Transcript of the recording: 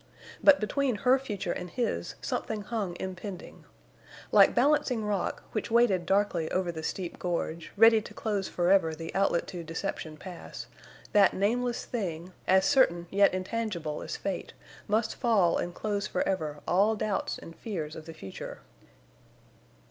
But between her future and his something hung impending. Like Balancing Rock, which waited darkly over the steep gorge, ready to close forever the outlet to Deception Pass, that nameless thing, as certain yet intangible as fate, must fall and close forever all doubts and fears of the future.